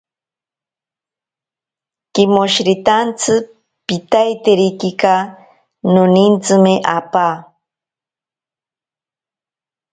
Kimoshiritantsi piitaiterikika, nonintsime apaa.